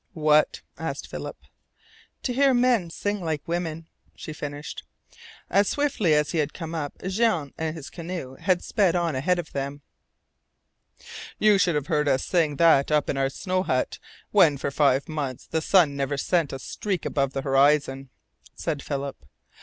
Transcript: "What?" asked Philip. "To hear men sing like women," she finished. As swiftly as he had come up Jean and his canoe had sped on ahead of them. "You should have heard us sing that up in our snow hut, when for five months the sun never sent a streak above the horizon," said Philip.